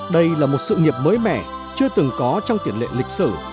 đây là một sự nghiệp mới mẻ chưa từng có trong tiền lệ lịch sử